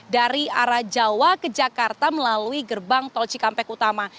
dari arah jawa ke jakarta melalui gerbang tol cikampek utama